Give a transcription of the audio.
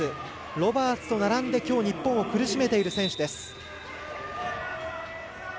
ロバーツと並んできょう日本を苦しめている選手です。